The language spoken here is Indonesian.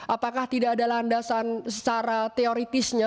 apakah tidak ada landasan secara teoritisnya